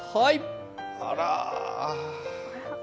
あら。